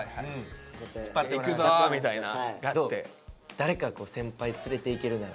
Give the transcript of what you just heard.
誰か先輩連れていけるなら。